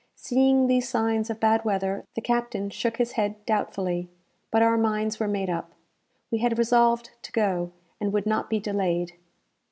Seeing these signs of bad weather, the captain shook his head doubtfully; but our minds were made up. We had resolved to go, and would not be delayed.